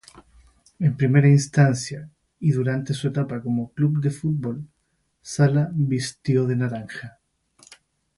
En primera instancia, y durante su etapa como club de fútbol-sala vistió de naranja.